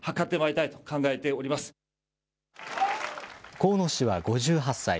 河野氏は５８歳。